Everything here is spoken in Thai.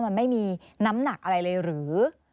มันไม่มีน้ำหนักอะไรเลยหรือ